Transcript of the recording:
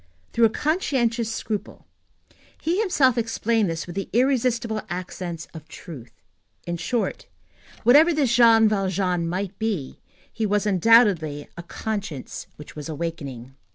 Through a conscientious scruple. He himself explained this with the irresistible accents of truth. In short, whatever this Jean Valjean might be, he was, undoubtedly, a conscience which was awakening.